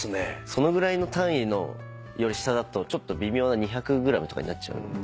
そのぐらいの単位のより下だと微妙な２００ｇとかになっちゃうんですよ。